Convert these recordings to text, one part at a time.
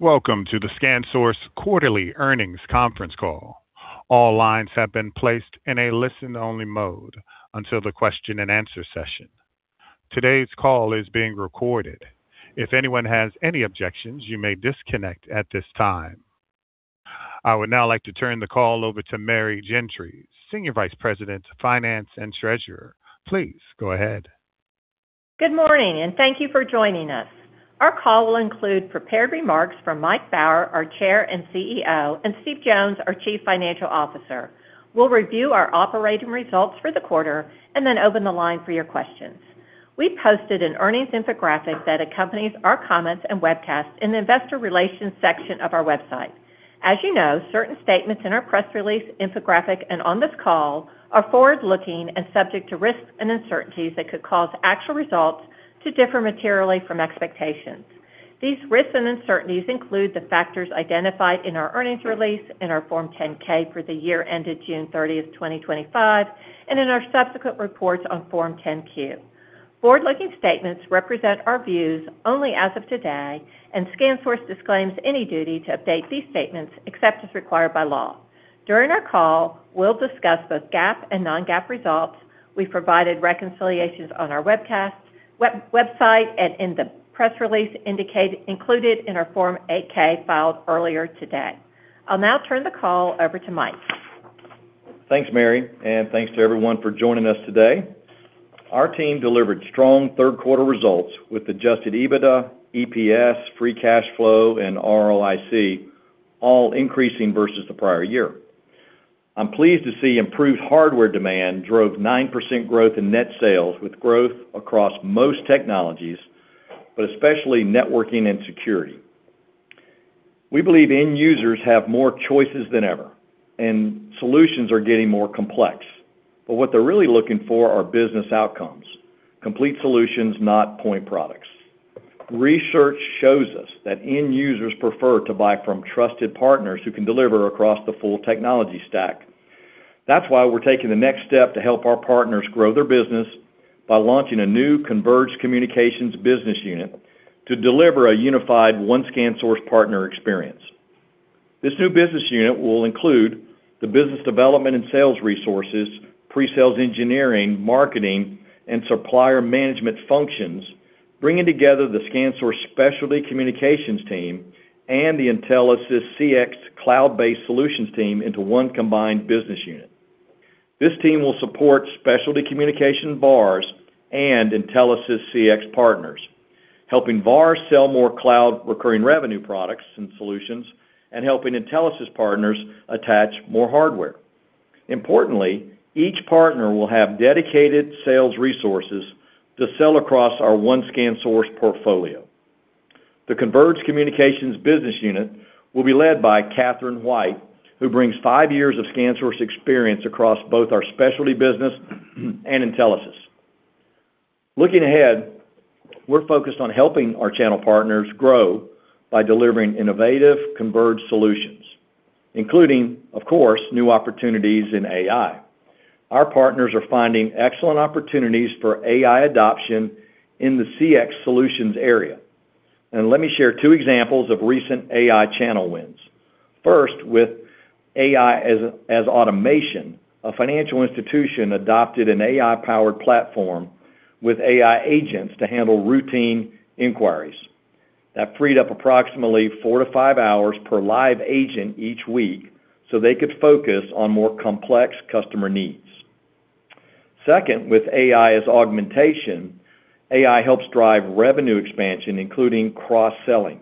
Welcome to the ScanSource quarterly earnings conference call. I would now like to turn the call over to Mary Gentry, Senior Vice President, Finance and Treasurer. Please go ahead. Good morning, thank you for joining us. Our call will include prepared remarks from Mike Baur, our Chair and CEO, and Steve Jones, our Chief Financial Officer. We'll review our operating results for the quarter, and then open the line for your questions. We posted an earnings infographic that accompanies our comments and webcast in the investor relations section of our website. As you know, certain statements in our press release infographic and on this call are forward-looking and subject to risks and uncertainties that could cause actual results to differ materially from expectations. These risks and uncertainties include the factors identified in our earnings release, in our Form 10-K for the year ended June 30, 2025, and in our subsequent reports on Form 10-Q. Forward-looking statements represent our views only as of today. ScanSource disclaims any duty to update these statements except as required by law. During our call, we'll discuss both GAAP and non-GAAP results. We've provided reconciliations on our webcast, website and in the press release included in our Form 8-K filed earlier today. I'll now turn the call over to Mike. Thanks, Mary, and thanks to everyone for joining us today. Our team delivered strong third quarter results with adjusted EBITDA, EPS, free cash flow, and ROIC all increasing versus the prior year. I'm pleased to see improved hardware demand drove 9% growth in net sales, with growth across most technologies, but especially networking and security. What they're really looking for are business outcomes, complete solutions, not point products. Research shows us that end users prefer to buy from trusted partners who can deliver across the full technology stack. That's why we're taking the next step to help our partners grow their business by launching a new converged communications business unit to deliver a unified One ScanSource partner experience. This new business unit will include the business development and sales resources, pre-sales engineering, marketing, and supplier management functions, bringing together the ScanSource Specialty Communications team and the Intelisys CX cloud-based solutions team into one combined business unit. This team will support specialty communication VARs and Intelisys CX partners, helping VARs sell more cloud recurring revenue products and solutions and helping Intelisys partners attach more hardware. Importantly, each partner will have dedicated sales resources to sell across our One ScanSource portfolio. The Converged Communications business unit will be led by Katherine White, who brings five years of ScanSource experience across both our specialty business and Intelisys. Looking ahead, we're focused on helping our channel partners grow by delivering innovative converged solutions, including, of course, new opportunities in AI. Our partners are finding excellent opportunities for AI adoption in the CX solutions area. Let me share two examples of recent AI channel wins. First, with AI as automation, a financial institution adopted an AI-powered platform with AI agents to handle routine inquiries. That freed up approximately four to five hours per live agent each week, so they could focus on more complex customer needs. Second, with AI as augmentation, AI helps drive revenue expansion, including cross-selling.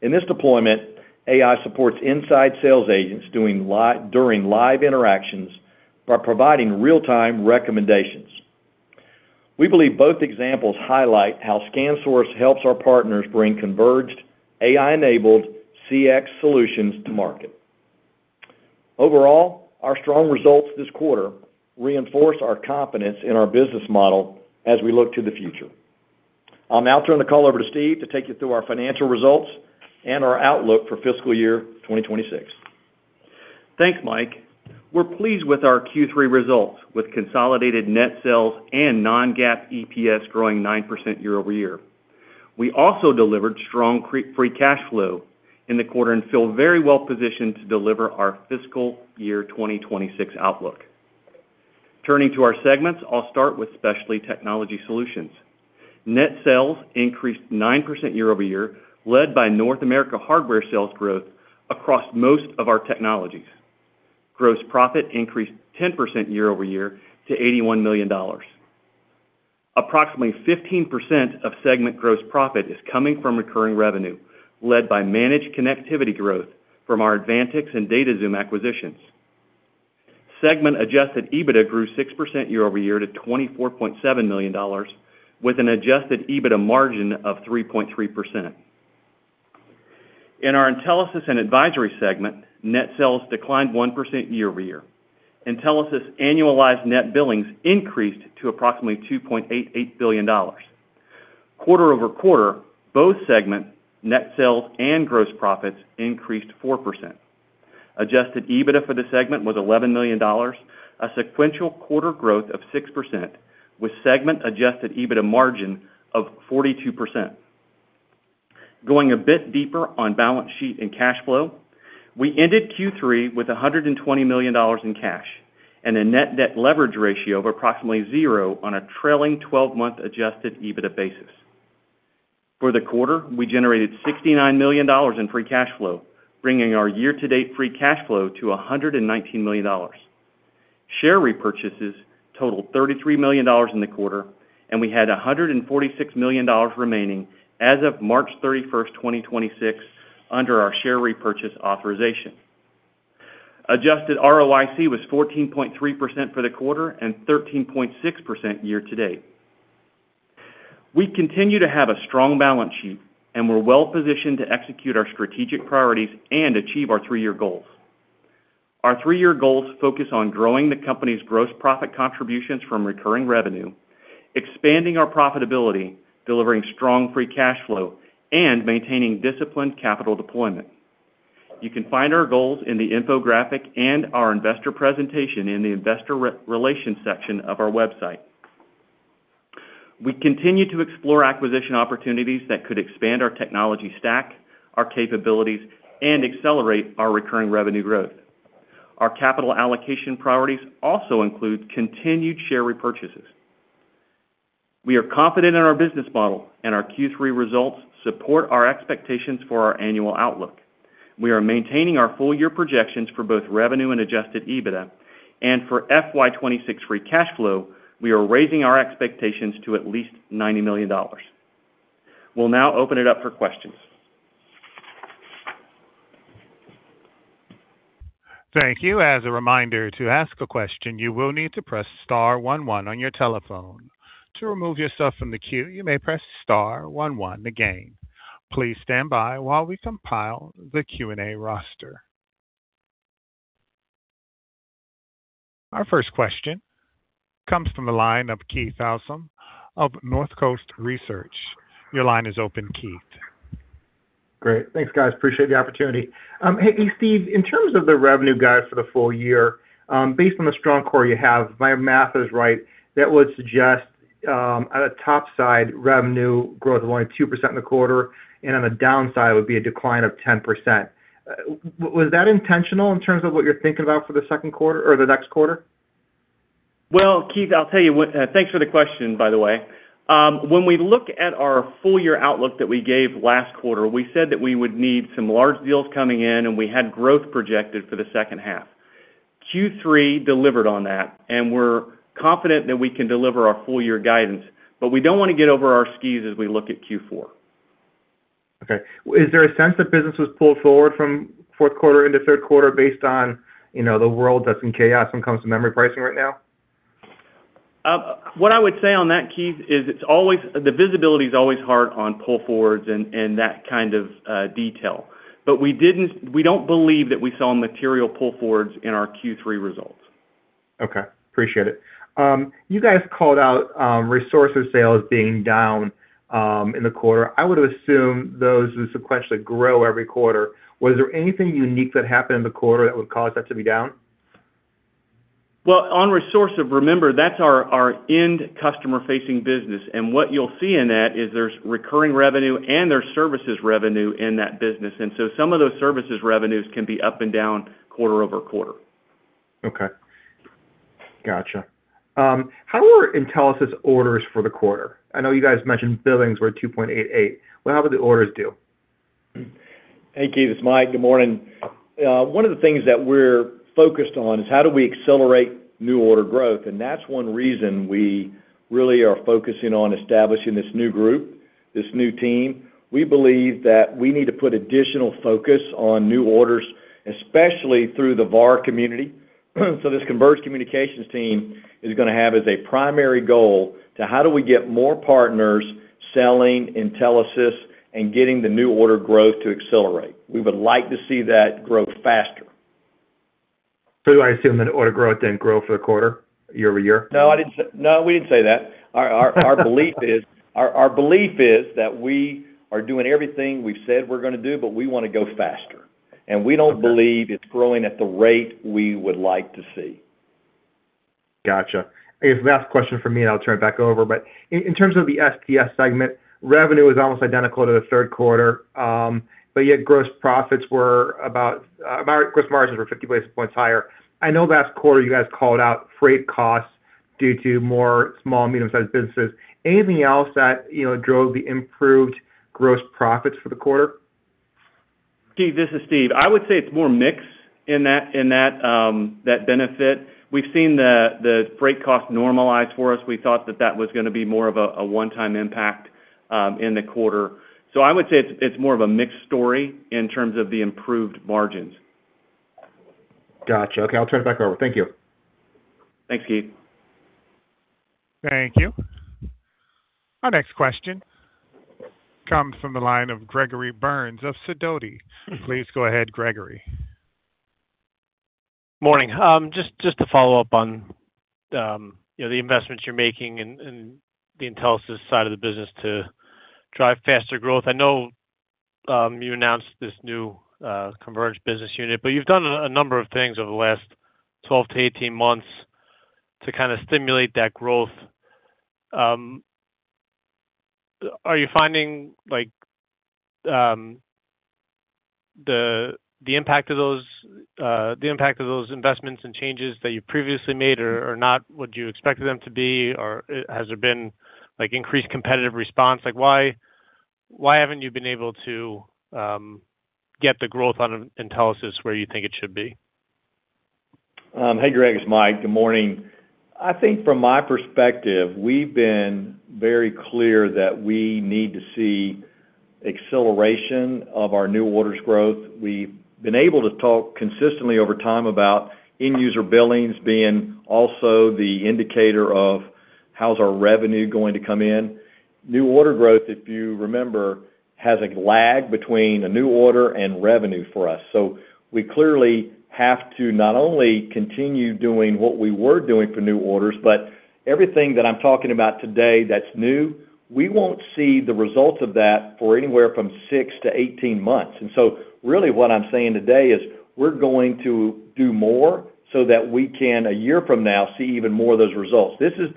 In this deployment, AI supports inside sales agents during live interactions by providing real-time recommendations. We believe both examples highlight how ScanSource helps our partners bring converged AI-enabled CX solutions to market. Overall, our strong results this quarter reinforce our confidence in our business model as we look to the future. I'll now turn the call over to Steve to take you through our financial results and our outlook for fiscal year 2026. Thanks, Mike. We're pleased with our Q3 results, with consolidated net sales and non-GAAP EPS growing 9% year-over-year. We also delivered strong free cash flow in the quarter and feel very well positioned to deliver our fiscal year 2026 outlook. Turning to our segments, I'll start with Specialty Technology Solutions. Net sales increased 9% year-over-year, led by North America hardware sales growth across most of our technologies. Gross profit increased 10% year-over-year to $81 million. Approximately 15% of segment gross profit is coming from recurring revenue, led by managed connectivity growth from our Advantix and DataXoom acquisitions. Segment adjusted EBITDA grew 6% year-over-year to $24.7 million with an adjusted EBITDA margin of 3.3%. In our Intelisys & Advisory segment, net sales declined 1% year-over-year. Intelisys annualized net billings increased to approximately $2.88 billion. Quarter-over-quarter, both segment net sales and gross profits increased 4%. Adjusted EBITDA for the segment was $11 million, a sequential quarter growth of 6%, with segment adjusted EBITDA margin of 42%. Going a bit deeper on balance sheet and cash flow, we ended Q3 with $120 million in cash and a net debt leverage ratio of approximately zero on a trailing twelve-month adjusted EBITDA basis. For the quarter, we generated $69 million in free cash flow, bringing our year-to-date free cash flow to $119 million. Share repurchases totaled $33 million in the quarter, and we had $146 million remaining as of March 31, 2026 under our share repurchase authorization. Adjusted ROIC was 14.3% for the quarter and 13.6% year-to-date. We continue to have a strong balance sheet, and we're well-positioned to execute our strategic priorities and achieve our three-year goals. Our three-year goals focus on growing the company's gross profit contributions from recurring revenue, expanding our profitability, delivering strong free cash flow, and maintaining disciplined capital deployment. You can find our goals in the infographic and our investor presentation in the investor relations section of our website. We continue to explore acquisition opportunities that could expand our technology stack, our capabilities, and accelerate our recurring revenue growth. Our capital allocation priorities also include continued share repurchases. We are confident in our business model, and our Q3 results support our expectations for our annual outlook. We are maintaining our full-year projections for both revenue and adjusted EBITDA, and for FY 2026 free cash flow, we are raising our expectations to at least $90 million. We'll now open it up for questions. Thank you. As a reminder, to ask a question, you will need to press star one one on your telephone. To remove yourself from the queue, you may press star one one again. Please stand by while we compile the Q&A roster. Our first question comes from the line of Keith Housum of Northcoast Research. Your line is open, Keith. Great. Thanks, guys. Appreciate the opportunity. Hey, Steve, in terms of the revenue guide for the full year, based on the strong core you have, if my math is right, that would suggest, at a top side, revenue growth of only 2% in the quarter and on the downside would be a decline of 10%. Was that intentional in terms of what you're thinking about for the second quarter or the next quarter? Well, Keith, I'll tell you what. Thanks for the question, by the way. When we look at our full year outlook that we gave last quarter, we said that we would need some large deals coming in, and we had growth projected for the second half. Q3 delivered on that, and we're confident that we can deliver our full year guidance, but we don't wanna get over our skis as we look at Q4. Okay. Is there a sense that business was pulled forward from fourth quarter into third quarter based on, you know, the world that's in chaos when it comes to memory pricing right now? What I would say on that, Keith, is the visibility is always hard on pull forwards and that kind of detail. We don't believe that we saw material pull forwards in our Q3 results. Okay. Appreciate it. You guys called out Resourcive sales being down in the quarter. I would assume those would sequentially grow every quarter. Was there anything unique that happened in the quarter that would cause that to be down? Well, on Resourcive, remember, that's our end customer-facing business, and what you'll see in that is there's recurring revenue and there's services revenue in that business. Some of those services revenues can be up and down quarter-over-quarter. Okay. Gotcha. How were Intelisys orders for the quarter? I know you guys mentioned billings were $2.88. Well, how did the orders do? Hey, Keith. It's Mike. Good morning. One of the things that we're focused on is how do we accelerate new order growth, and that's one reason we really are focusing on establishing this new group, this new team. We believe that we need to put additional focus on new orders, especially through the VAR community. This converged communications team is gonna have as a primary goal to how do we get more partners selling Intelisys and getting the new order growth to accelerate. We would like to see that grow faster. I assume that order growth didn't grow for the quarter year-over-year? No, we didn't say that. Our belief is that we are doing everything we've said we're gonna do, but we wanna go faster. Okay. We don't believe it's growing at the rate we would like to see. Gotcha. If last question from me, and I'll turn it back over, but in terms of the STS segment, revenue was almost identical to the third quarter, but yet gross margins were 50 basis points higher. I know last quarter you guys called out freight costs due to more small and medium-sized businesses. Anything else that, you know, drove the improved gross profits for the quarter? Keith, this is Steve. I would say it's more mix in that benefit. We've seen the freight cost normalize for us. We thought that that was gonna be more of a one-time impact in the quarter. I would say it's more of a mixed story in terms of the improved margins. Gotcha. Okay, I'll turn it back over. Thank you. Thanks, Keith. Thank you. Our next question comes from the line of Gregory Burns of Sidoti. Please go ahead, Gregory. Morning. Just to follow up on, you know, the investments you're making in the Intelisys side of the business to drive faster growth. I know, you announced this new, converged business unit, but you've done a number of things over the last 12 to 18 months to kind of stimulate that growth. Are you finding, like, the impact of those, the impact of those investments and changes that you previously made are not what you expected them to be? Has there been, like, increased competitive response? Like, why haven't you been able to get the growth out of Intelisys where you think it should be? Hey, Greg, it's Mike. Good morning. I think from my perspective, we've been very clear that we need to see acceleration of our new orders growth. We've been able to talk consistently over time about end user billings being also the indicator of how's our revenue going to come in. New order growth, if you remember, has a lag between a new order and revenue for us. We clearly have to not only continue doing what we were doing for new orders, but everything that I'm talking about today that's new, we won't see the results of that for anywhere from 6 to 18 months. Really what I'm saying today is we're going to do more so that we can, a year from now, see even more of those results. This is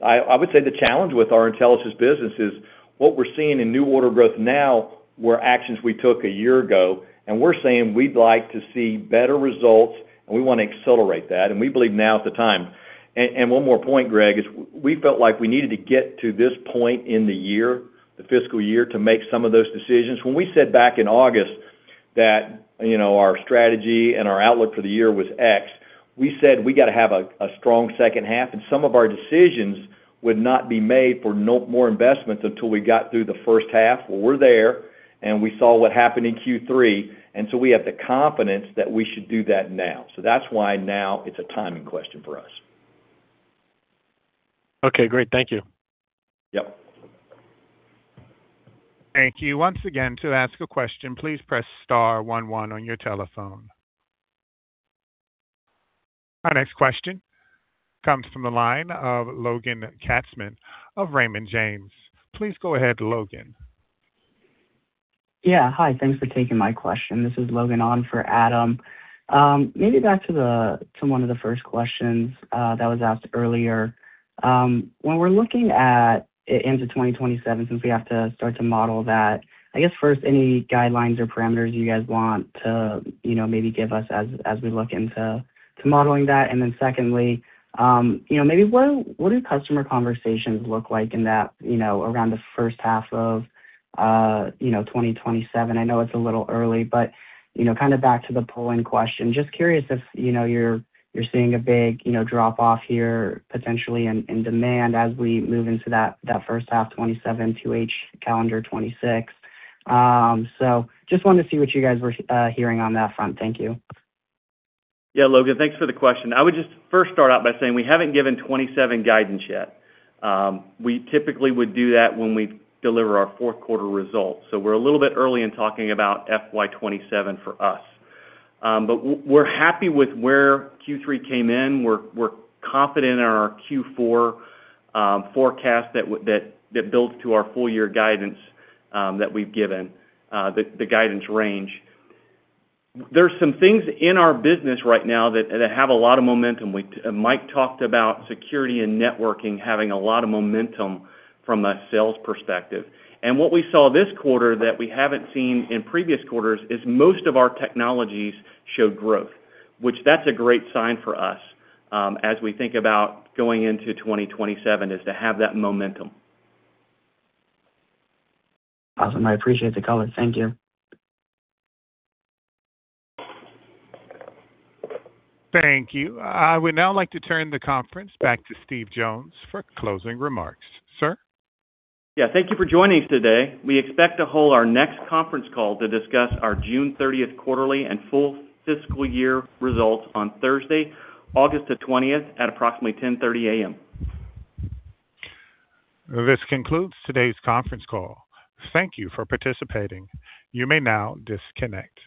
the I would say, the challenge with our Intelisys business is what we're seeing in new order growth now were actions we took a year ago. We're saying we'd like to see better results. We want to accelerate that. We believe now is the time. One more point, Greg, is we felt like we needed to get to this point in the year, the fiscal year, to make some of those decisions. When we said back in August that, you know, our strategy and our outlook for the year was X, we said we got to have a strong second half. Some of our decisions would not be made for no more investments until we got through the first half. Well, we're there, and we saw what happened in Q3, and so we have the confidence that we should do that now. That's why now it's a timing question for us. Okay, great. Thank you. Yep. Thank you. Once again, to ask a question, please press star one one on your telephone. Our next question comes from the line of Logan Katzman of Raymond James. Please go ahead, Logan. Yeah. Hi, thanks for taking my question. This is Logan Katzman on for Adam Tindle. Maybe back to one of the first questions that was asked earlier. When we're looking into 2027, since we have to start to model that, I guess first any guidelines or parameters you guys want to maybe give us as we look into modeling that? Secondly, maybe what do customer conversations look like in that around the first half of 2027? I know it's a little early, kind of back to the polling question. Just curious if you're seeing a big drop-off here potentially in demand as we move into that first half 2027 to each calendar 2026. Just wanted to see what you guys were hearing on that front. Thank you. Yeah, Logan, thanks for the question. I would just first start out by saying we haven't given 2027 guidance yet. We typically would do that when we deliver our fourth quarter results. We're a little bit early in talking about FY 2027 for us. We're happy with where Q3 came in. We're confident in our Q4 forecast that builds to our full year guidance that we've given the guidance range. There's some things in our business right now that have a lot of momentum. Mike talked about security and networking having a lot of momentum from a sales perspective. What we saw this quarter that we haven't seen in previous quarters is most of our technologies show growth, which that's a great sign for us, as we think about going into 2027, is to have that momentum. Awesome. I appreciate the color. Thank you. Thank you. I would now like to turn the conference back to Steve Jones for closing remarks. Sir? Yeah. Thank you for joining us today. We expect to hold our next conference call to discuss our June 30th quarterly and full fiscal year results on Thursday, August 20th at approximately 10:30 A.M. This concludes today's conference call. Thank you for participating. You may now disconnect.